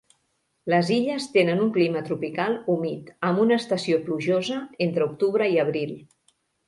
Les illes tenen un clima tropical humit amb una estació plujosa entre octubre i abril.